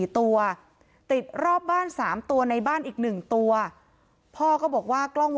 ๔ตัวติดรอบบ้าน๓ตัวในบ้านอีก๑ตัวพ่อก็บอกว่ากล้อง